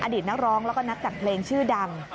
อดีตนักร้องแล้วก็นักจัดเพลงชื่อดำ